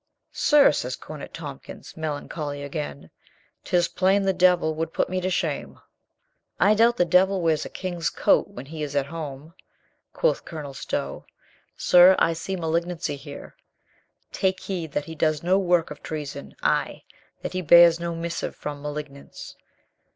"Sir," says Cornet Tompkins, melancholy again, " 'tis plain the devil would put me to shame." "I doubt the devil wears a King's coat when he Is at home," quoth Colonel Stow. "Sir, I see malig nancy here. Take heed that he does no work of treason, ay, that he bears no missive from malig nants."